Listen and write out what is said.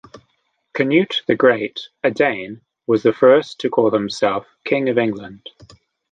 Canute the Great, a Dane, was the first to call himself "King of England".